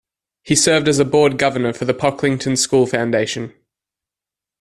He serves as a Board Governor for The Pocklington School Foundation.